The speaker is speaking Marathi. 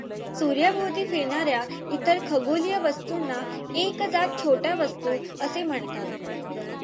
सूर्याभोवती फिरणार् या इतर खगोलीय वस्तूंना एकजात छोट्या वस्तू असे म्हणतात.